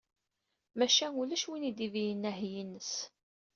Maca ulac win i d-ibeyynen aheyyi-ines.